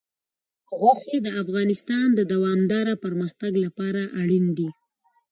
غوښې د افغانستان د دوامداره پرمختګ لپاره اړین دي.